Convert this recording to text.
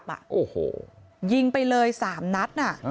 โอ้โหยิงไปเลย๓นัด